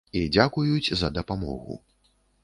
І дзякуюць за дапамогу.